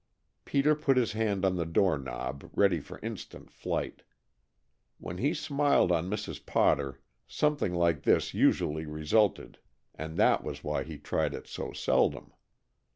Peter put his hand on the door knob, ready for instant flight. When he smiled on Mrs. Potter something like this usually resulted and that was why he tried it so seldom.